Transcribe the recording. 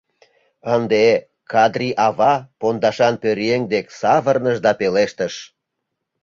Ынде Кадри-ава пондашан пӧръеҥ дек савырныш да пелештыш: